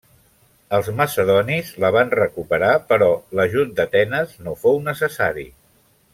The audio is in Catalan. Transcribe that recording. Els macedonis la van recuperar però l'ajut d'Atenes no fou necessari.